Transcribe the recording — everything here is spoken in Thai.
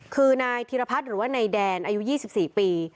คือไนทิรพัฒน์ในแดนอายุ๒๔ปี